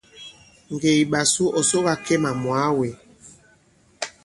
Ŋgè i ɓasu ɔ̀ soga Kemà mwàa wē.